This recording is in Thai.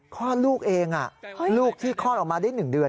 คลอดลูกเองลูกที่คลอดออกมาได้๑เดือน